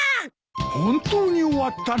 本当に終わったのか。